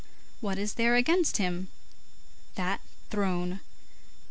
What is there against him? That throne.